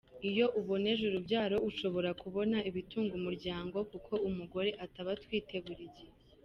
Iyo uboneje urubyaro ushobora kubona ibitunga umuryango kuko umugore ataba atwite buri gihe.